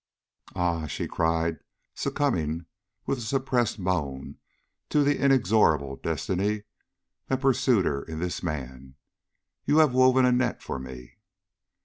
"Ah!" she cried, succumbing with a suppressed moan to the inexorable destiny that pursued her in this man, "you have woven a net for me!"